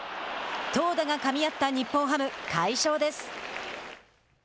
投打がかみ合った日本ハム快勝です。